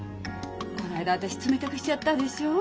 こないだ私冷たくしちゃったでしょう。